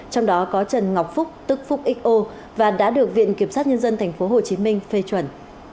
trong đó có trần ngọc phúc tức phúc xo và đã được viện kiểm sát nhân dân tp hcm phê chuẩn